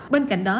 bên cạnh đó